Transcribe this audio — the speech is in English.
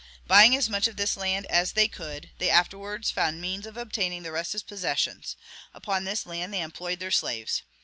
Buying as much of this land as they could, they afterwards found means of obtaining the rest as POSSESSIONS. Upon this land they employed their slaves.